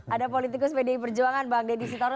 ada politikus pdi perjuangan bang deddy sitaru